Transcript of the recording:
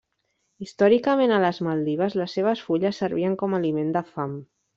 Històricament a les Maldives les seves fulles servien com aliment de fam.